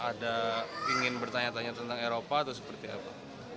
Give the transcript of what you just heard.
ada ingin bertanya tanya tentang eropa atau seperti apa